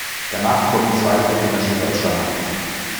Danach kommen zwei Containerschiffe aus Shanghai.